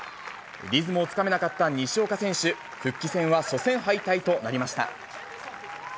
リズムをつかめなかった西岡選手、復帰戦は初戦敗退となりました。